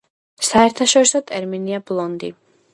საერთაშორისო ტერმინია ბლონდი.